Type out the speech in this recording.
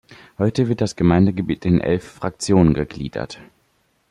Heute wird das Gemeindegebiet in elf Fraktionen gegliedert.